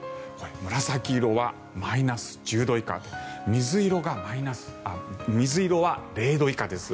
紫色はマイナス１０度以下水色は０度以下です。